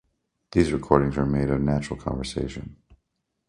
These recordings were made of natural conversation.